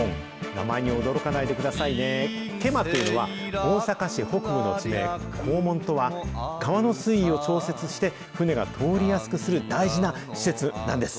名前に驚かないでくださいね、毛馬というのは、大阪市北部の地名、こうもんとは、川の水位を調節して、船が通りやすくする大事な施設なんです。